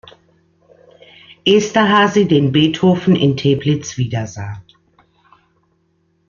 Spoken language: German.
Esterházy, den Beethoven in Teplitz wieder sah.